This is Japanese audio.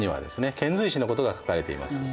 遣隋使のことが書かれています。